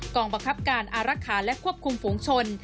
กองบังคับการอารักษาและควบคุมฝูงชน